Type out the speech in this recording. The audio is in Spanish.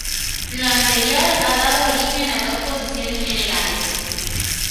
Lo anterior ha dado origen a dos posiciones generales.